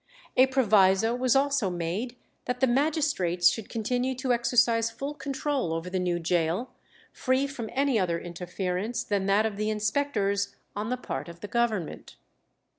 A proviso was also made that the magistrates should continue to exercise full control over the new gaol, "free from any other interference than that of the inspectors on the part of Government."